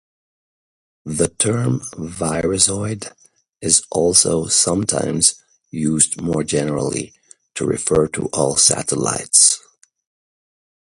The term "virusoid" is also sometimes used more generally to refer to all satellites.